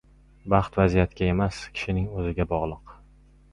Baxt vaziyatga emas, kishining o‘ziga bog‘liq.